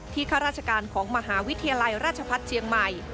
ข้าราชการของมหาวิทยาลัยราชพัฒน์เชียงใหม่